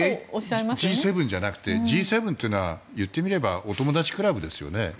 むしろＧ７じゃなくてＧ７というのは言ってみればお友達クラブですよね。